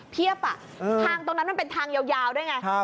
เพียบอ่ะทางตรงนั้นมันเป็นทางยาวด้วยไง